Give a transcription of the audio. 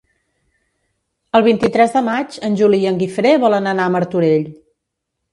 El vint-i-tres de maig en Juli i en Guifré volen anar a Martorell.